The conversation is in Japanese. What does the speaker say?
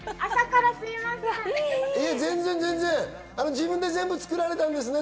自分で作られたんですね？